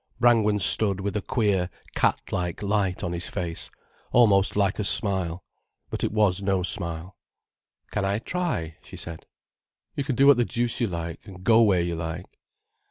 Brangwen stood with a queer, catlike light on his face, almost like a smile. But it was no smile. "Can I try?" she said. "You can do what the deuce you like, and go where you like."